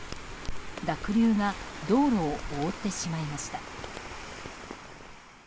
濁流が道路を覆ってしまいました。